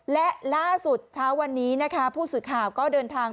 และล่าสุดเช้าวันนี้นะคะผู้สื่อข่าวก็เดินทาง